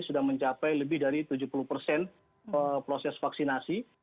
sudah mencapai lebih dari tujuh puluh persen proses vaksinasi